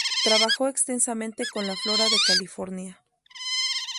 Trabajó extensamente con la flora de California